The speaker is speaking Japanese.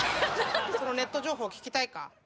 このネット情報聞きたいか？